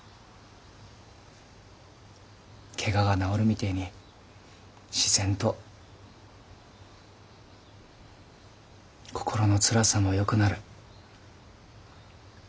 けがが治るみてえに自然と心のつらさもよくなる。